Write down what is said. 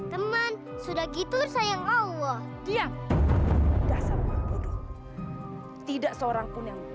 sampai jumpa di video selanjutnya